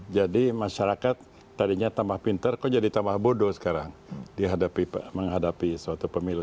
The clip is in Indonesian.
jadi masyarakat tadinya tambah pinter kok jadi tambah bodoh sekarang menghadapi suatu pemilu